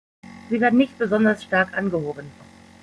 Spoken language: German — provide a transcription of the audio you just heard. Sie werden nicht besonders stark angehoben.